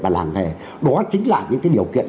và làm nghề đó chính là những cái điều kiện